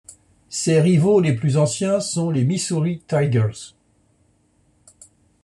Ses rivaux les plus anciens sont les Missouri Tigers.